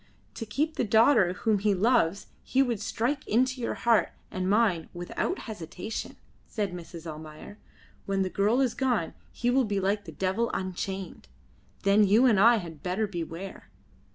"To keep the daughter whom he loves he would strike into your heart and mine without hesitation," said Mrs. Almayer. "When the girl is gone he will be like the devil unchained. Then you and I had better beware."